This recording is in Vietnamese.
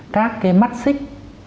các cái mắt xích